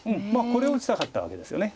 これを打ちたかったわけですよね。